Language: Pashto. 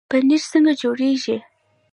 پنیر څنګه جوړیږي؟